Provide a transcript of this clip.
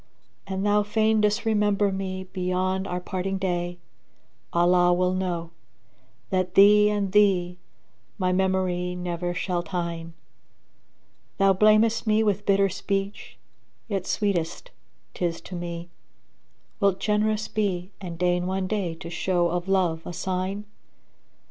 An thou fain disremember me beyond our parting day, * Allah will know, that thee and thee my memory never shall tyne. Thou blamest me with bitter speech yet sweetest 'tis to me; * Wilt generous be and deign one day to show of love a sign?